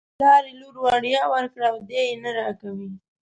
پلار یې لور وړيا ورکړې او دی یې نه راکوي.